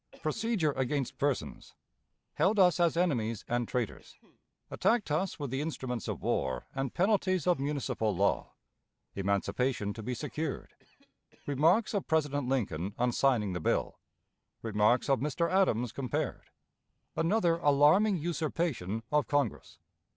Procedure against Persons. Held us as Enemies and Traitors. Attacked us with the Instruments of War and Penalties of Municipal Law. Emancipation to be secured. Remarks of President Lincoln on signing the Bill. Remarks of Mr. Adams compared. Another Alarming Usurpation of Congress.